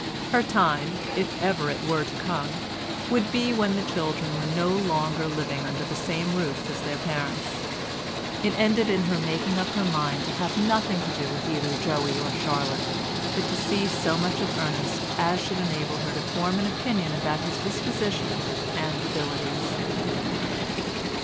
Her time, if ever it was to come, would be when the children were no longer living under the same roof as their parents. It ended in her making up her mind to have nothing to do with either Joey or Charlotte, but to see so much of Ernest as should enable her to form an opinion about his disposition and abilities.